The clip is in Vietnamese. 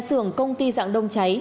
nhà xưởng công ty dạng đông cháy